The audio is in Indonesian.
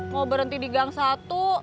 mau berhenti di gang satu